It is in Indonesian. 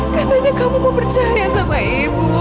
katanya kamu mau percaya sama ibu